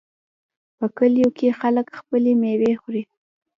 په کلیو کې خلک خپلې میوې خوري.